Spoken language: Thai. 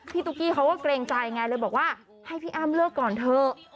ตุ๊กกี้เขาก็เกรงใจไงเลยบอกว่าให้พี่อ้ำเลิกก่อนเถอะ